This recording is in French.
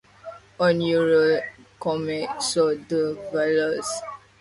On y roule comme sur du velours.